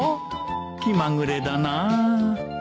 気まぐれだなあ